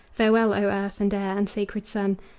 Farewell! O earth and air and sacred sun!